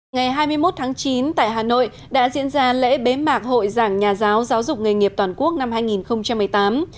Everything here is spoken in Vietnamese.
ngày hai mươi một tháng chín tại hà nội đã diễn ra lễ bế mạc hội giảng nhà giáo giáo dục nghề nghiệp toàn quốc năm hai nghìn một mươi tám